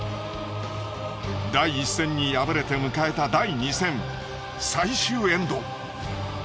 第１戦に敗れて迎えた第２戦最終エンド。